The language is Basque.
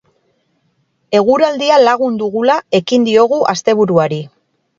Eguraldia lagun dugula ekin diogu asteburuari.